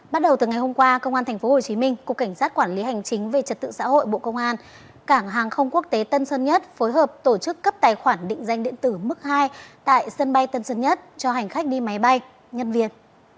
bắt đầu từ ngày hôm qua công an tp hcm cục cảnh sát quản lý hành chính về trật tự xã hội bộ công an cảng hàng không quốc tế tân sơn nhất phối hợp tổ chức cấp tài khoản định danh điện tử mức hai tại sân bay tân sơn nhất cho hành khách đi máy bay nhân viên